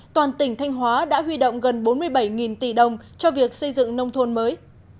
toàn tỉnh thanh hóa đã huy động gần bốn mươi bảy tỷ đồng cho việc xây dựng nông thôn mới